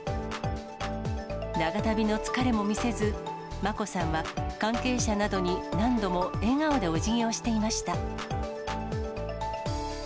長旅の疲れも見せず、眞子さんは、関係者などに何度も笑顔でお辞儀をしていました。